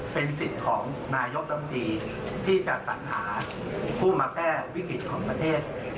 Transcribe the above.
เป็นสิทธิ์ของนายกรรมดีที่จะสัญหาผู้มาแพร่วิกฤตของประเทศ